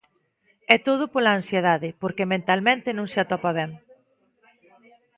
E todo pola ansiedade, porque mentalmente non se atopa ben.